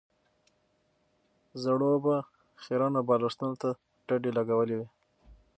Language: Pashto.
زړو به خيرنو بالښتونو ته ډډې لګولې وې.